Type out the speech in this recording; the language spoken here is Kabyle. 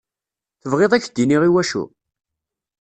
Tebɣiḍ ad k-d-iniɣ iwacu?